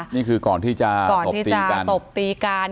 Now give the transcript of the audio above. นี่คือก่อนที่จะตบตีกัน